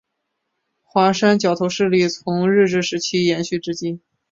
华山角头势力从日治时期延续至今。